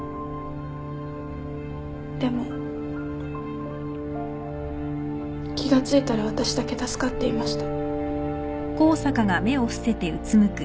でも気が付いたら私だけ助かっていました。